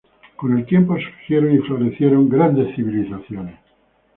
Con el tiempo surgieron y florecieron "grandes civilizaciones".